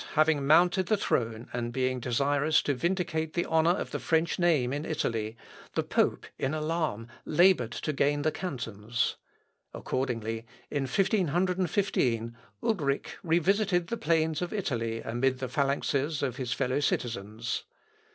] Francis I, having mounted the throne, and being desirous to vindicate the honour of the French name in Italy, the pope in alarm laboured to gain the cantons. Accordingly, in 1515, Ulric revisited the plains of Italy amid the phalanxes of his fellow citizens.